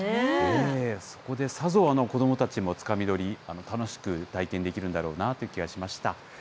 そこでさぞ子どもたちもつかみ取り、楽しく体験できるんだろうなという気がしました。